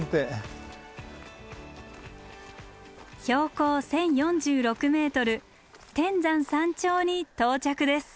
標高１，０４６ｍ天山山頂に到着です。